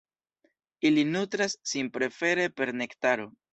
Ili nutras sin prefere per nektaro.